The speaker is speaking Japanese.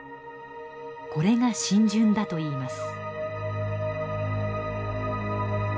これが浸潤だといいます。